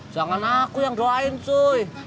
jangan aku yang doain sih